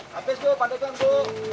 habis tuh pandekan bu